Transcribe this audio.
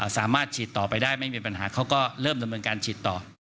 สามารถฉีดต่อไปได้ไม่มีปัญหาเขาก็เริ่มดำเนินการฉีดต่อ